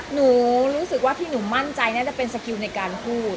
หนูรู้สึกว่าที่หนูมั่นใจน่าจะเป็นสกิลในการพูด